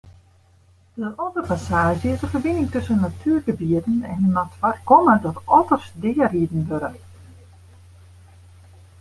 De otterpassaazje is in ferbining tusken natuergebieten en moat foarkomme dat otters deariden wurde.